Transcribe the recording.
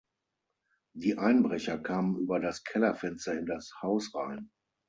Die Einbrecher kamen über das Kellerfenster in das Haus rein.